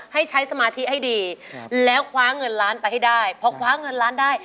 ให้ใช้สมาธิให้ดีแล้วคว้าเงินล้านไปให้ได้พอคว้าเงินล้านได้